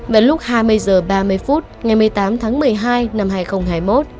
vào lúc hai mươi h ba mươi phút ngày một mươi tám tháng một mươi hai năm hai nghìn hai mươi một